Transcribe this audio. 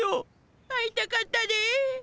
会いたかったで。